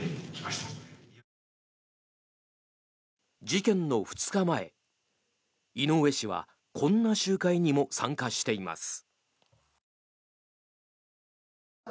事件の２日前、井上氏はこんな集会にも参加しています。